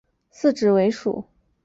四指蝠属。